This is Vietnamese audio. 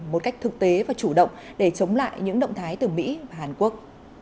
một cách thực tế và chủ động để chống lại những động thái từ mỹ và hàn quốc